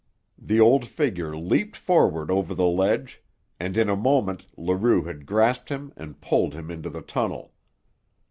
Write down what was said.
The old figure leaped forward over the ledge, and in a moment Leroux had grasped him and pulled him into the tunnel.